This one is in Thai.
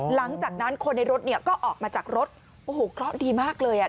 หลังจากนั้นคนในรถเนี่ยก็ออกมาจากรถโอ้โหเคราะห์ดีมากเลยอ่ะ